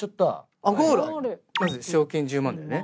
まず賞金１０万だよね。